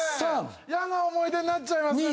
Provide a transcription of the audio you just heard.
嫌な思い出になっちゃいますね